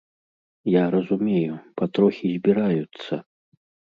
Я разумею, патрохі збіраюцца.